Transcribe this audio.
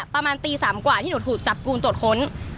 ประมาณตี๓กว่าที่หนูถูกจับกลุ่มตรวจค้น